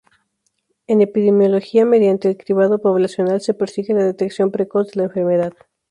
En epidemiología mediante el cribado poblacional se persigue la detección precoz de la enfermedad.